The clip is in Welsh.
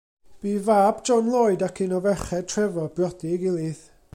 Bu i fab John Lloyd ac un o ferched Trefor briodi ei gilydd.